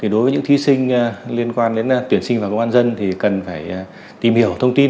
đối với những thí sinh liên quan đến tuyển sinh và công an dân thì cần phải tìm hiểu thông tin